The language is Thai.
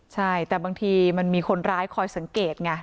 ใช่แต่บางทีมันมีคนร้ายคอยสังเกตไง